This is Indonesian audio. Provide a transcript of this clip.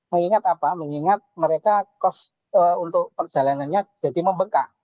mengingat apa mengingat mereka cost untuk perjalanannya jadi membengkak